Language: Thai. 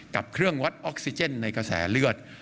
กับเครื่องวัดออกซิเจนในกระแสเลือด